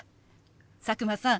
佐久間さん